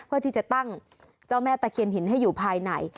เพื่อที่จะตั้งเจ้าแม่ตะเคียนหินให้อยู่ภายใน